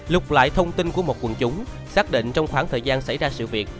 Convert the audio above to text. lục lại thông tin của một quần chúng xác định trong khoảng thời gian xảy ra sự việc